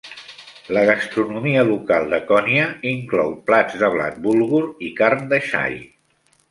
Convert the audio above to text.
La gastronomia local de Konya inclou plats de blat bulgur i carn de xai.